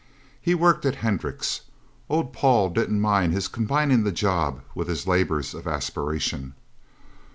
He worked at Hendricks' old Paul didn't mind his combining the job with his labors of aspiration.